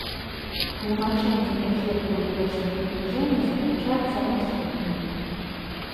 Тлумачэнне эфекту ў першым прыбліжэнні заключаецца ў наступным.